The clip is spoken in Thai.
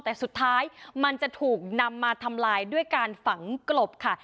แต่สุดท้ายมันจะถูกนำมาทำลายด้วยการฝังกลบค่ะ